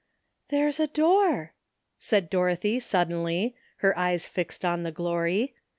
''There's a door," said Dorothy suddenly, her eyes fixed on the glory.